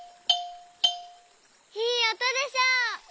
いいおとでしょ！